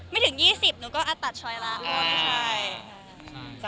ไม่ถึง๒๐หนูก็อัดตัดช่วยแล้วว่าไม่ใช่